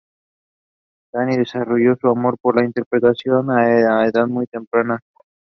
Taryn desarrolló su amor por la interpretación a una edad muy joven.